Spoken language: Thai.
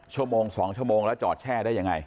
ชั่วโมง๒ชั่วโมงแล้วจอดแช่ได้ยังไง